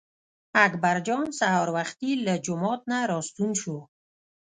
اکبر جان سهار وختي له جومات نه راستون شو.